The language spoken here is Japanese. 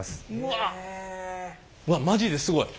わっマジですごい。